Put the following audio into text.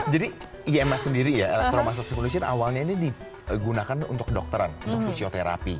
jadi ims sendiri ya trauma stress pollution awalnya ini digunakan untuk dokteran untuk fisioterapi